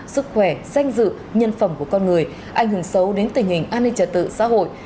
sức khỏe danh dự nhân phẩm của con người ảnh hưởng xấu đến tình hình an ninh trật tự xã hội